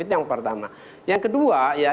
itu yang pertama yang kedua ya